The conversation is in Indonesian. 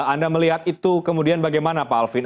anda melihat itu kemudian bagaimana pak alvin